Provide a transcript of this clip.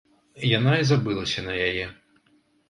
Яна і забылася на яе.